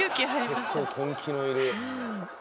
結構根気のいる。